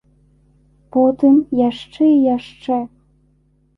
Потым яшчэ і яшчэ.